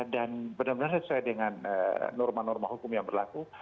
dan benar benar sesuai dengan norma norma hukum yang berlaku